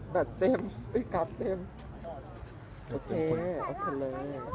แบบเต็มพี่กรัฟเต็มโอเคเอาค่ะเลย